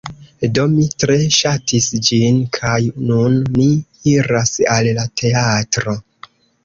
Do, mi tre ŝatis ĝin kaj nun ni iras al la teatro